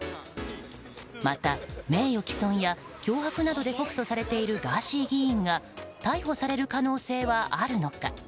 また、名誉毀損や脅迫などで告訴されているガーシー議員が逮捕される可能性はあるのか。